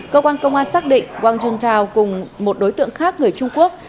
cơ quan công an xác định wang yuntao cùng một đối tượng khác người trung quốc